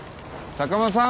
坂間さん？